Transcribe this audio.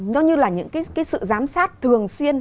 nó như là những cái sự giám sát thường xuyên